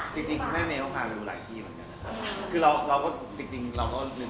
จัดยังไงก็เลยปรึกษาหลายคนหลายท่านก็แม่มีก็เป็นหนึ่ง